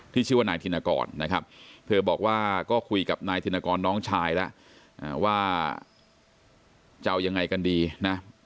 ชื่อว่านายธินกรนะครับเธอบอกว่าก็คุยกับนายธินกรน้องชายแล้วว่าจะเอายังไงกันดีนะ